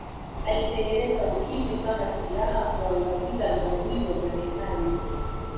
alitengeneza ukimwi kama siraha ya kuwaangamiza maadui wa marekani